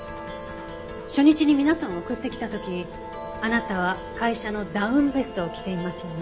初日に皆さんを送ってきた時あなたは会社のダウンベストを着ていますよね？